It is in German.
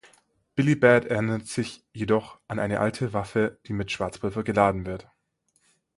Billy Bad erinnert sich jedoch an eine alte Waffe die mit Schwarzpulver geladen wird.